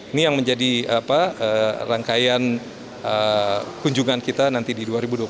ini yang menjadi rangkaian kunjungan kita nanti di dua ribu dua puluh empat